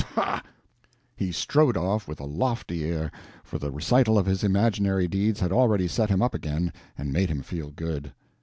Pah!" And he strode out, with a lofty air, for the recital of his imaginary deeds had already set him up again and made him feel good.